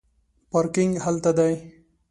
پارکینګ هلته دی